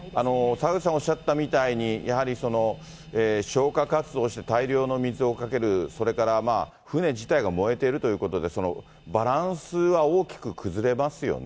坂口さんがおっしゃったみたいに、やはりその消火活動をして大量の水をかける、それから船自体が燃えているということで、そのバランスは大きく崩れますよね。